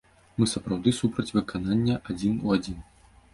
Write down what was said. Мы сапраўды супраць выканання адзін у адзін.